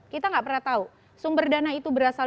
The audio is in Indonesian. kita nggak pernah tahu sumber dana itu berasal